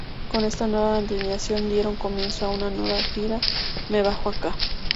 Con esta nueva alineación dieron comienzo a una nueva gira: "Me bajo acá".